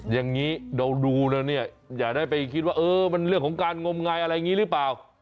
อย่างนี้เราดูแล้วเนี่ยอย่าได้ไปคิดว่าเออมันเรื่องของการงมงายอะไรอย่างนี้หรือเปล่า